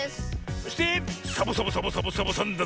そしてサボサボサボサボサボさんだぜえ。